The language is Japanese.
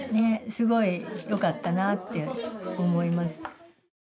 すごいよかったなって思います。